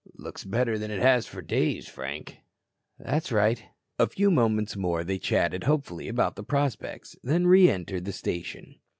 "Looks better than it has for days, Frank." "That's right." A few moments more they chatted hopefully about the prospects, then re entered the station.